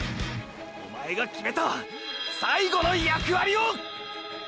おまえが決めた最後の役割を！！